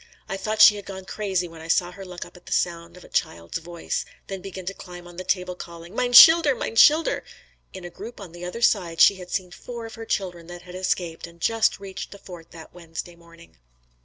I thought she had gone crazy when I saw her look up at the sound of a child's voice, then begin to climb on the table calling, "Mine schilder! Mine schilder!" In a group on the other side she had seen four of her children that had escaped and just reached the fort that Wednesday morning.